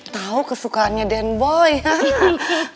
tau kesukaannya dendboy kan